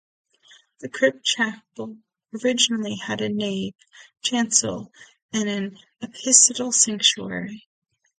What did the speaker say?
The crypt chapel originally had a nave, chancel and an apsidal sanctuary.